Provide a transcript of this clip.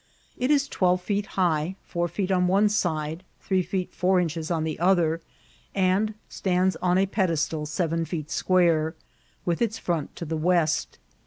It is twelve feet high, four feet on one aide, three feet few inches on the other, and stands on a ped* estal seren feet sqoure, with its front to the west.